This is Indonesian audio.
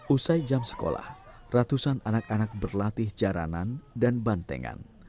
usai jam sekolah ratusan anak anak berlatih jaranan dan bantengan